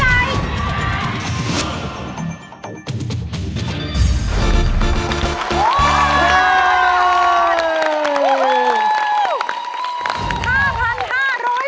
เท่าไร